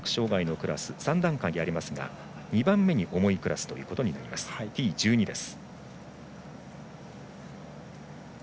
視覚障がいのクラス３段階ありますが２番目に重いクラスということになります。